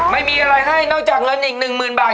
ไม่มีอะไรให้นอกจากเงินอีกหนึ่งหมื่นบาท